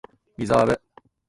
リザーブ